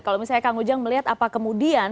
kalau misalnya kang ujang melihat apa kemudian